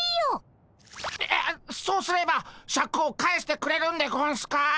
えっそうすればシャクを返してくれるんでゴンスか？